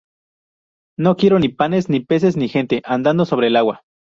no quiero ni panes, ni peces, ni gente andando sobre el agua